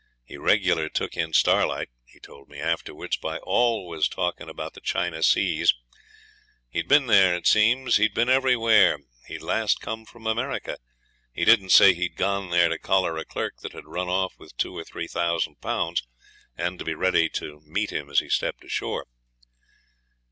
He regular took in Starlight (he told me afterwards) by always talking about the China Seas; he'd been there, it seems; he'd been everywhere; he'd last come from America; he didn't say he'd gone there to collar a clerk that had run off with two or three thousand pounds, and to be ready to meet him as he stepped ashore.